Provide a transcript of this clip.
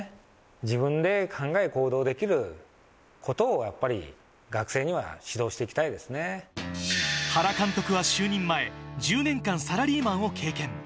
自分で考え行動できることをやっぱり学生には指導していきたいで原監督は就任前、１０年間サラリーマンを経験。